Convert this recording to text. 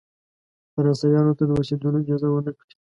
فرانسویانو ته د اوسېدلو اجازه ورنه کړی.